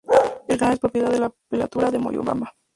El canal es propiedad de la Prelatura de Moyobamba.